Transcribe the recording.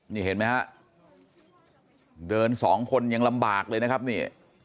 นี่เห็นไหมฮะเดินสองคนยังลำบากเลยนะครับนี่